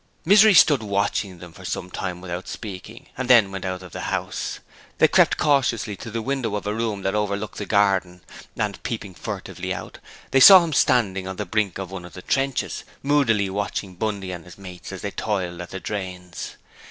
Misery stood watching them for some time without speaking, and then went out of the house. They crept cautiously to the window of a room that overlooked the garden and, peeping furtively out, they saw him standing on the brink of one of the trenches, moodily watching Bundy and his mates as they toiled at the drains.